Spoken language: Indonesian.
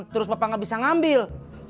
terus bapak nggak bisa ngambil